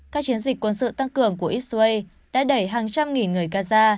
các chiến dịch quân sự tăng cường của israel đã đẩy hàng trăm nghìn người gaza